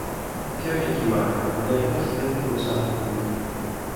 کەمێک ھیوا ھەیە، ئەگەر ھەشبێت، بۆ چاکبوونەوەی.